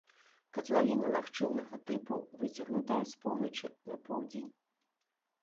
Катлавіна лагчыннага тыпу, выцягнутая з поўначы на поўдзень.